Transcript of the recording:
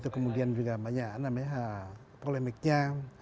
kemudian juga banyak polemiknya